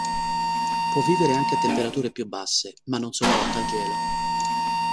Può vivere anche a temperature più basse, ma non sopporta il gelo.